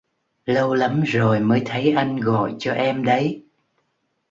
Lâu lắm rồi mới thấy anh gọi cho em đấy